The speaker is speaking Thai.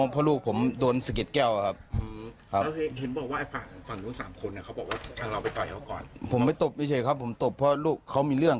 ปลาขวดใส่รถรถที่เป็นเนี่ยครับ